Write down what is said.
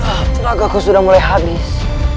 ya allah teragakku sudah mulai habis